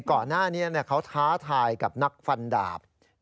ก่อนหน้านี้เขาท้าทายกับนักฟันดาบ